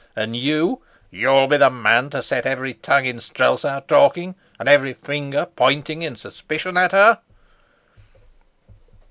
And you you'll be the man to set every tongue in Strelsau talking, and every finger pointing in suspicion at her?"